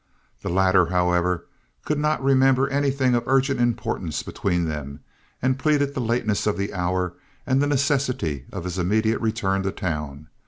The latter, however, could not remember anything of urgent importance between them, and pleaded the lateness of the hour and the necessity of his immediate return to town.